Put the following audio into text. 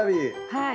はい。